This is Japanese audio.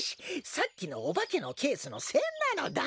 さっきのおばけのケースのせんなのだ。